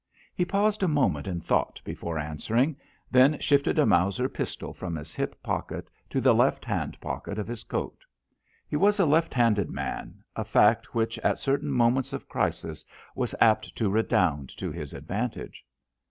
He paused a moment in thought before answering, then shifted a Mauser pistol from his hip pocket to the left hand pocket of his coat. He was a left handed man, a fact which at certain moments of crisis was apt to redound to his advantage.